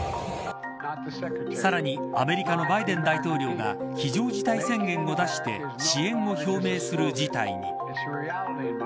さらにアメリカのバイデン大統領が非常事態宣言を出して支援を表明する事態に。